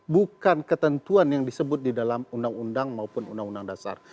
bukan ketentuan yang disebut di dalam undang undang maupun undang undang dasar